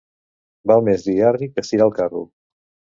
Val més dir arri que estirar el carro.